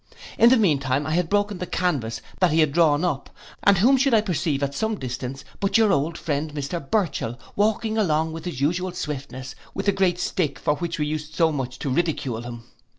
In the mean time I had broken the canvas that he had drawn up, and whom should I perceive at some distance but your old friend Mr Burchell, walking along with his usual swiftness, with the great stick for which we used so much to ridicule him.